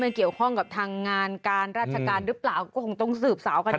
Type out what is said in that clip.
มันเกี่ยวข้องกับทางงานการราชการหรือเปล่าก็คงต้องสืบสาวกันอีก